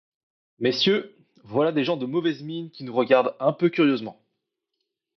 Messieurs, voilà des gens de mauvaise mine qui nous regardent un peu curieusement.